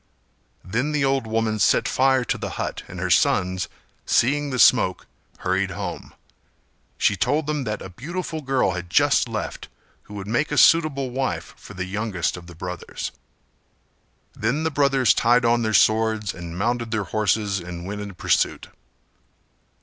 Then the old woman set fire to the hut and her sons, seeing the smoke hurried home. She told them that a beautiful girl had just left who would make a suitable wife for the youngest of the brothers. Then the brothers tied on their swords and mounted their horses and went in pursuit.